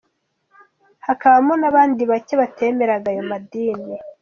Hakabamo n’abandi bake batemeraga ayo madini.